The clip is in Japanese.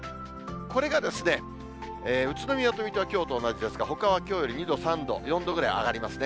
これが宇都宮と水戸はきょうと同じですが、ほかはきょうより２度、３度、４度ぐらい上がりますね。